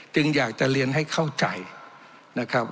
อยากจะเรียนให้เข้าใจนะครับ